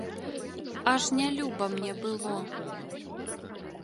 Аж нялюба мне было.